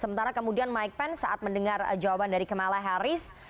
sementara kemudian mike pence saat mendengar jawaban dari kamala harris